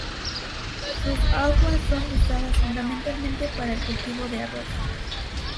Sus aguas son usadas fundamentalmente para el cultivo de arroz.